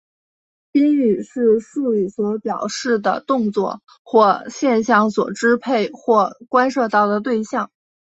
宾语是述语所表示的动作或现象所支配或关涉到的对象。